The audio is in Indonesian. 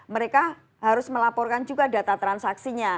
mereka harus melaporkan juga data transaksinya